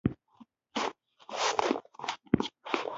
ماشومانو ته له مور او پلار څخه د پرهیزګارۍ.